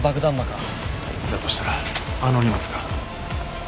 だとしたらあの荷物が。